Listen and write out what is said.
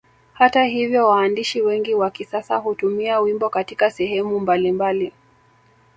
Hata hivyo waandishi wengi wa kisasa hutumia wimbo Katika sehemu mbalimbali